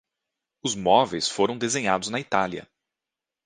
Os móveis foram desenhados na Itália